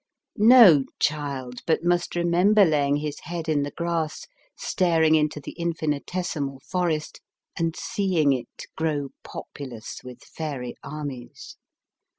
No child but must remember laying his head in the grass, staring into the infinitesimal forest and seeing it grow populous with fairy armies.